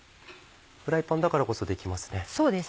フライパンだからこそできますね。